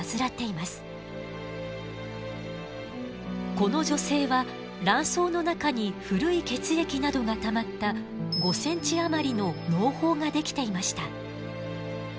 この女性は卵巣の中に古い血液などがたまった５ｃｍ余りの嚢胞が出来ていました。